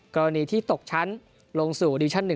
กรณีที่ตกชั้นลงสู่ดิวิชั่น๑